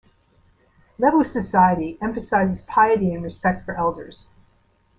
Lebu society emphasizes piety and respect for elders.